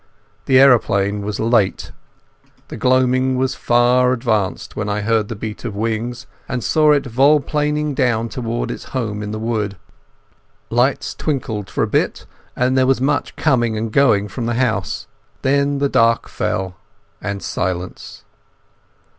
The aeroplane was late. The gloaming was far advanced when I heard the beat of wings and saw it volplaning downward to its home in the wood. Lights twinkled for a bit and there was much coming and going from the house. Then the dark fell, and silence.